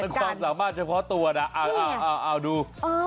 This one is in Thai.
จริงมันความสามารถเฉพาะตัวน่ะเอาดู